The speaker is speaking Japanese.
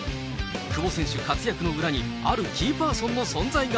久保選手活躍の裏に、あるキーパーソンの存在が。